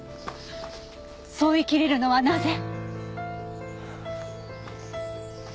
そう言いきれるのはなぜ？